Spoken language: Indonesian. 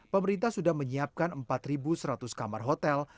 pemerintah sudah menyiapkan empat seratus kamar hotel